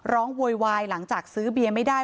ร้องวัยวายหลังจากซื้อเบียงไม่ได้